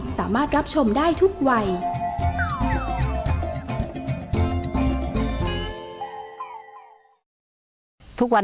สามารถรับชมได้ทุกวัย